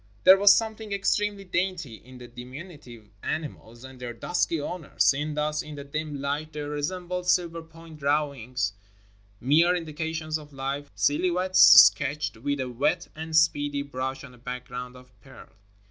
There was something extremely dainty in the diminu tive animals and their dusky owner. Seen thus in the dim light, they resembled silver point drawings, mere indications of life, silhouettes sketched with a wet and speedy brush on a background of pearl.